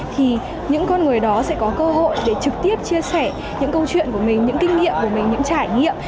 thì những con người đó sẽ có cơ hội để trực tiếp chia sẻ những câu chuyện của mình những kinh nghiệm của mình những trải nghiệm